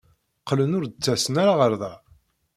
Qqlen ur d-ttasen ara ɣer da.